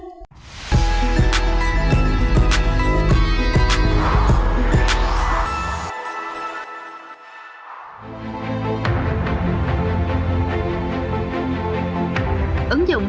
ứng dụng thông minh